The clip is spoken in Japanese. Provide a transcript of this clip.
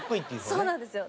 そうなんですよ。